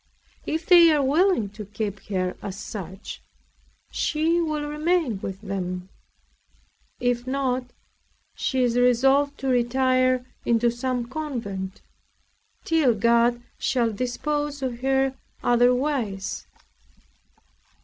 If they are willing to keep her as such, she will remain with them; if not, she is resolved to retire into some convent, till God shall dispose of her otherwise.